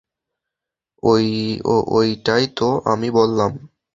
ঐটাই তো আমি বললাম।